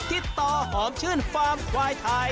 ที่ต่อหอมชื่นฟาร์มควายไทย